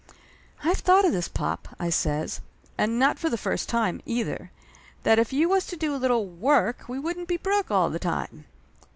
"I've thought of this, pop," I says "and not for the first time, either that if you was to do a little work we wouldn't be broke all the time!"